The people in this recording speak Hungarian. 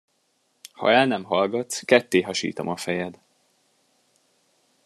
Ha el nem hallgatsz, kettéhasítom a fejed!